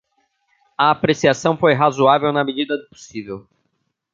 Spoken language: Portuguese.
A apreciação foi razoável na medida do possível